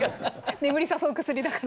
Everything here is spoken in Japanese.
「眠り誘う薬」だから。